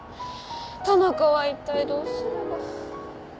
田中は一体どうすれば。